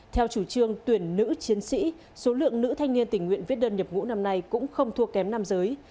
theo chủ trương tuyển nữ chiến sĩ số lượng nữ thanh niên tình nguyện viết đơn nhập ngũ năm nay cũng không thua kém nam giới